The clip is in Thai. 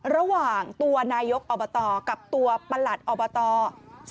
ระหว่างตัวนายกอบตกับตัวประหลัดอบต